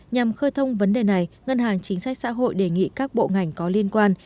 nhằm khơi thông vấn đề này ngân hàng chính sách xã hội đề nghị các bộ ngành có liên quan